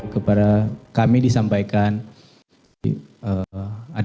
kepada kami disampaikan